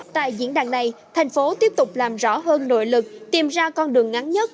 tại diễn đàn này thành phố tiếp tục làm rõ hơn nội lực tìm ra con đường ngắn nhất